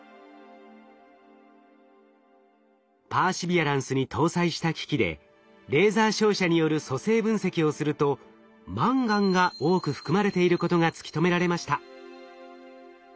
パーシビアランスに搭載した機器でレーザー照射による組成分析をするとマンガンが多く含まれていることが突き止められました。